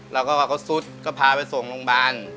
แล้วก็เขาซุดก็พาไปส่งโรงพยาบาล